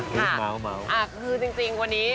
เมาคือจริงวันนี้